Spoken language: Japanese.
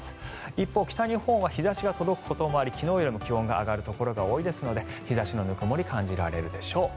一方、北日本は日差しが届くこともあり昨日よりも気温が上がるところが多いですので日差しのぬくもり感じられるでしょう。